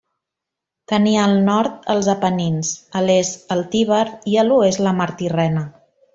Tenia al nord els Apenins, a l'est el Tíber i a l'oest la mar Tirrena.